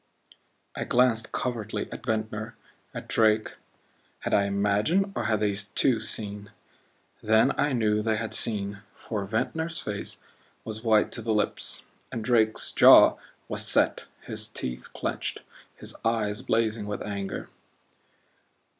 I glanced covertly at Ventnor, at Drake had I imagined, or had they too seen? Then I knew they had seen, for Ventnor's face was white to the lips, and Drake's jaw was set, his teeth clenched, his eyes blazing with anger.